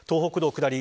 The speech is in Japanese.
下り